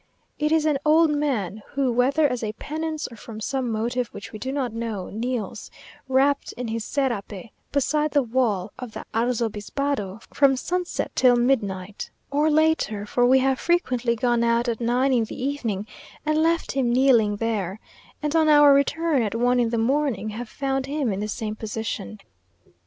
It is an old man, who, whether as a penance, or from some motive which we do not know, kneels, wrapt in his serape, beside the wall of the Arzobispado from sunset till midnight, or later for we have frequently gone out at nine in the evening, and left him kneeling there; and on our return at one in the morning have found him in the same position.